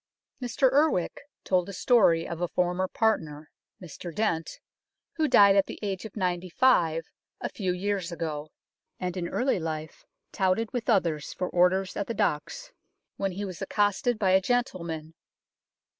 Mr Urwick told a story of a former partner, Mr Dent, who died at the age of ninety five a few years ago, and in early life touted with others for orders at the docks, when he was accosted by a gentleman.